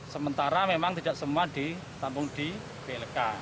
sementara memang tidak semua ditampung di blk